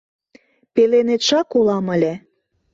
Пеленетшак улам ыле.